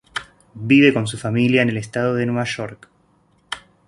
Vive con su familia en el Estado de Nueva York.